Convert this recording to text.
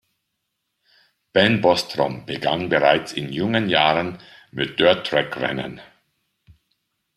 Ben Bostrom begann bereits in jungen Jahren mit Dirt-Track-Rennen.